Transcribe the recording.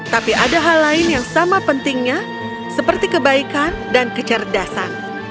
tapi ada hal lain yang sama pentingnya seperti kebaikan dan kecerdasan